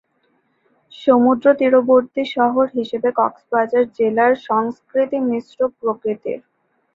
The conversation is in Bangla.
সমুদ্র তীরবর্তী শহর হিসেবে কক্সবাজার জেলার সংস্কৃতি মিশ্র প্রকৃতির।